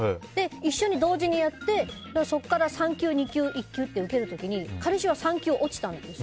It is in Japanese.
一緒に同時にやってそこから３級、２級、１級って受ける時に彼氏は３級落ちたんです。